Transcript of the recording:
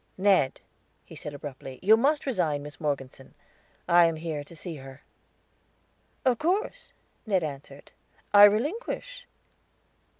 "Ned," he said abruptly, "you must resign Miss Morgeson; I am here to see her." "Of course," Ned answered; "I relinquish."